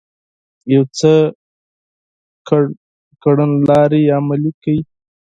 يو څه کړنلارې عملي کړې